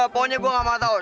pokoknya gue gak mau tahu